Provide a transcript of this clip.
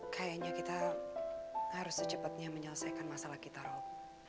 kayaknya kita harus secepatnya menyelesaikan masalah kita rob